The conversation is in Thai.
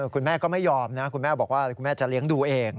คุณแม่ก็ไม่ยอมนะคุณแม่บอกว่าคุณแม่จะเลี้ยงดูเอง